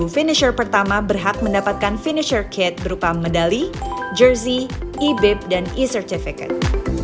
enam finisher pertama berhak mendapatkan finisher kit berupa medali jersey e bib dan e certificate